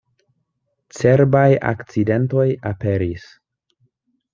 Cerbaj akcidentoj aperis.